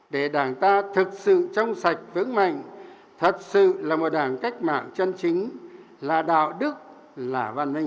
để đảng ta thực sự trong sạch vững mạnh thật sự là một đảng cách mạng chân chính là đạo đức là văn minh